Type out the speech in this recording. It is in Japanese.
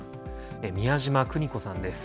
美谷島邦子さんです。